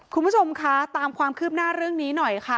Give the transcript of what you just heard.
คุณผู้ชมคะตามความคืบหน้าเรื่องนี้หน่อยค่ะ